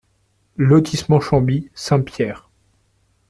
Lotissement Chamby, Saint-Pierre